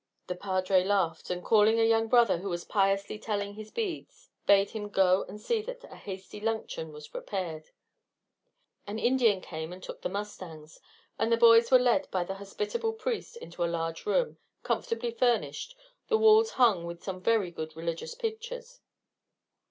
The padre laughed, and calling a young brother who was piously telling his beads bade him go and see that a hasty luncheon was prepared. An Indian came and took the mustangs, and the boys were led by the hospitable priest into a large room, comfortably furnished, the walls hung with some very good religious pictures.